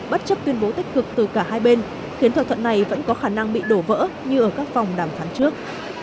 bất chấp tuyên bố tích cực từ cả hai bên khiến thỏa thuận này vẫn có khả năng bị đổ vỡ như ở các vòng đàm phán trước